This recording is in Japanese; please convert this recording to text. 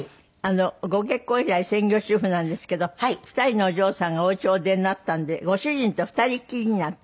ご結婚以来専業主婦なんですけど２人のお嬢さんがお家をお出になったんでご主人と二人っきりになって。